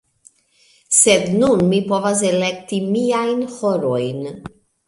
Sed nun mi povas elekti miajn horojn.